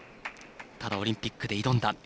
ただ、オリンピックで挑んだ。